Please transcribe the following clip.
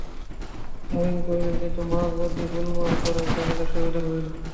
মহিম কহিলেন, কিন্তু মা যদি গোলমাল করেন তা হলে সুবিধা হবে না।